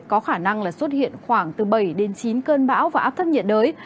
có khả năng xuất hiện khoảng từ bảy đến chín cơn bão và áp thấp nhiệt đới